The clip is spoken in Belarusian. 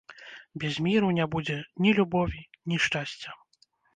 Без міру не будзе ні любові, ні шчасця.